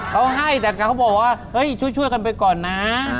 เขาให้แต่เขาบอกว่าเฮ้ยช่วยกันไปก่อนนะ